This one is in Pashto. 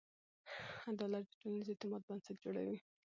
عدالت د ټولنیز اعتماد بنسټ جوړوي.